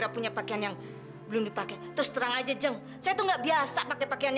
coba kau dengnya disini